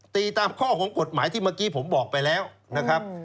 ตามข้อของกฎหมายที่เมื่อกี้ผมบอกไปแล้วนะครับ